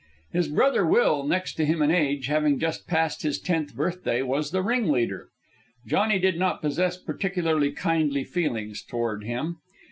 His brother Will, next to him in age, having just passed his tenth birthday, was the ringleader. Johnny did not possess particularly kindly feelings toward him.